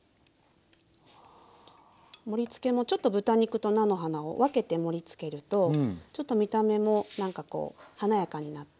盛りつけもちょっと豚肉と菜の花を分けて盛りつけるとちょっと見た目も何かこう華やかになって。